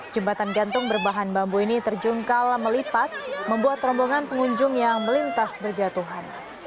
jembatan gantung berbahan bambu ini terjungkal melipat membuat rombongan pengunjung yang melintas berjatuhan